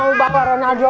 mau bawa ronado